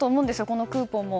このクーポンも。